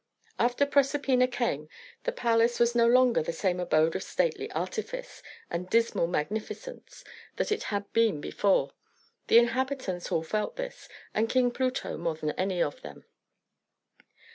After Proserpina came, the palace was no longer the same abode of stately artifice and dismal magnificence that it had before been. The inhabitants all felt this, and King Pluto more than any of them.